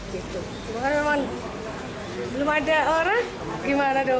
gitu makanya memang belum ada orang gimana dong